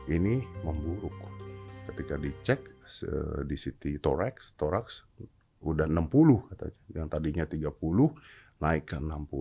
ini memburuk ketika dicek di situ toraks toraks udah enam puluh yang tadinya tiga puluh naik ke enam puluh